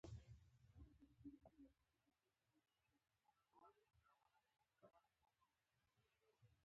چې وېر به يې شي ،